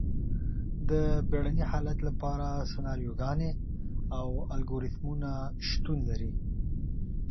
د بیړني حالت لپاره سناریوګانې او الګوریتمونه شتون لري.